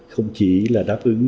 không chỉ là đáp ứng